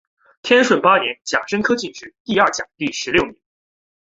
天顺八年甲申科进士第二甲第十六名。